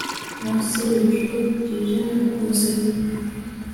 Munsi yibicu byijimye bwumuseke